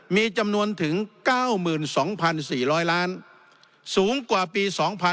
มีจำนวนถึง๙๒๔๐๐ล้านสูงกว่าปี๒๕๕๙